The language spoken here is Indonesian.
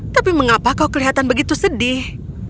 tapi mengapa kau kelihatan begitu sedih